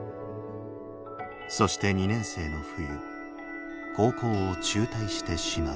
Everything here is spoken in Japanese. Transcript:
そして２年生の冬高校を中退してしまう。